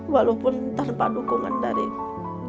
walaupun tanpa dukungan dari keluarga